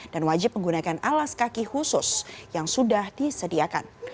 dan wajib menggunakan alas kaki khusus yang sudah disediakan